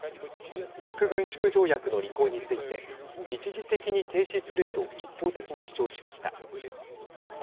核軍縮条約の履行について一時的に停止すると一方的に主張しました。